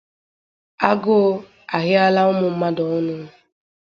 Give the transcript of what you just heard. Agụụ ahịala ụmụ mmadụ ọnụ